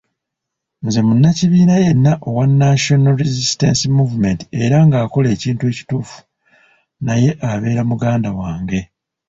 Nze munnakibiina yenna owa National Resistance Movement era ng'akola ekintu ekituufu naye abeera muganda wange.